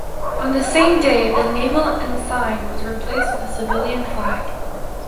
On the same day, the naval ensign was replaced with the civilian flag.